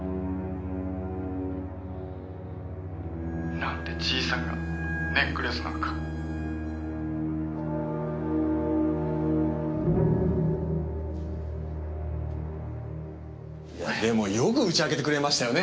「なんでじいさんがネックレスなんか」でもよく打ち明けてくれましたよね。